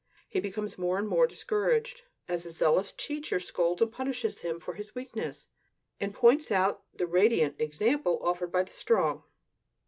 He becomes more and more discouraged as the zealous teacher scolds and punishes him for his weakness and points out the radiant example offered by the strong.